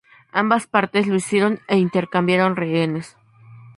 Ambas partes lo hicieron e intercambiaron rehenes.